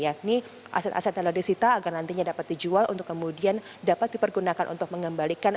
yakni aset aset telodisita agar nantinya dapat dijual untuk kemudian dapat dipergunakan untuk mengembalikan